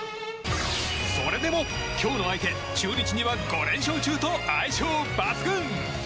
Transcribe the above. それでも今日の相手、中日には５連勝中と相性抜群！